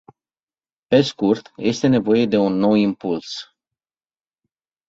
Pe scurt, este nevoie de un nou impuls.